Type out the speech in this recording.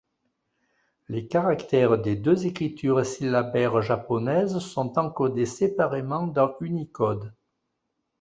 Les caractères des deux écritures syllabaires japonaises sont encodés séparément dans Unicode,